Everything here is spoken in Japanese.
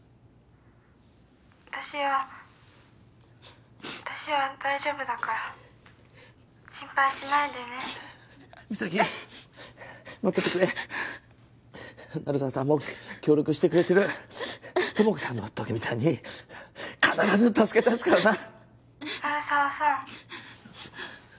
私は私は大丈夫だから心配しないでね実咲待っててくれ鳴沢さんも協力してくれてる友果ちゃんの時みたいに必ず助けだすからな鳴沢さん